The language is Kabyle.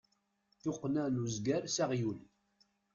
Tuqqna n uzger s aɣyul.